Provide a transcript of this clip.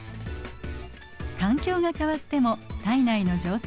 環境が変わっても体内の状態は一定です。